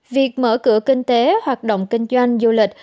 việc mở cửa kinh tế hoạt động kinh doanh du lịch